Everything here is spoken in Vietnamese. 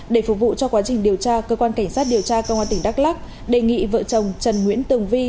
để phục vụ cho quá trình điều tra cơ quan cảnh sát điều tra công an tỉnh đắk lắc đề nghị vợ chồng trần nguyễn tường vi